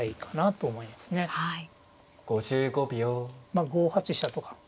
まあ５八飛車とか。